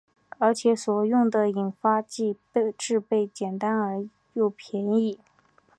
而且所用的引发剂制备简单而且比较便宜。